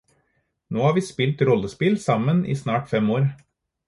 Nå har vi spilt rollespill sammen i snart fem år.